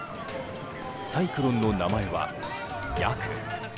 サイクロンの名前はヤク。